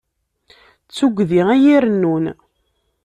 D tuggdi ay irennun.